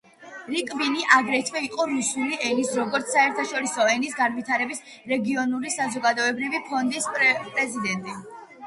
რიბკინი აგრეთვე იყო რუსული ენის, როგორც საერთაშორისო ენის განვითარების რეგიონალური საზოგადოებრივი ფონდის პრეზიდენტი.